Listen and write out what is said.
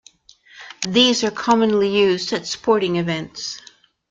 These are commonly used at sporting events.